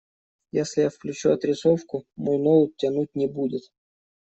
Если я включу отрисовку, мой ноут тянуть не будет.